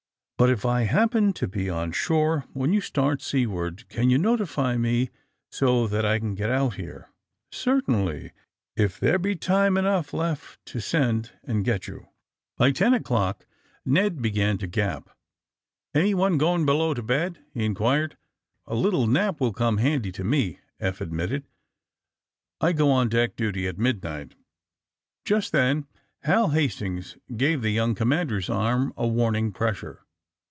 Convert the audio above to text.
^^But if I happen to be on shore when you start seaward, can you notify me so that I can get out here?" Certainly, if there be time enough left to send and get you." AND THE SMUGGLEBS 169 By ten o'clock Ned began to gap. '* Anyone going below to bedT' he inqnired. A little nap will come bandy to me," Eioh admitted. ^*I go on deck duty at midnight.'' Jnst then Hal Hastings gave the young com mander's arm a warning pressure.